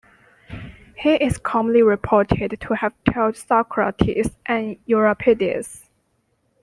He is commonly reported to have taught Socrates and Euripides.